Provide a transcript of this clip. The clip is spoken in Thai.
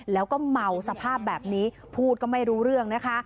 แล้วก็เมาสภาพแบบนี้พูดก็ไม่รู้เรื่องนะคะ